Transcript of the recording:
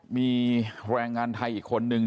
มีแรงงานไทยอีกคนนึง